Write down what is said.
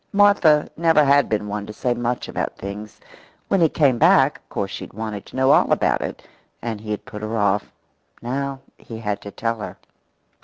Martha never had been one to say much about things. When he came back, of course she had wanted to know all about it, and he had put her off. Now he had to tell her.